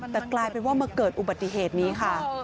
แต่กลายเป็นว่ามาเกิดอุบัติเหตุนี้ค่ะ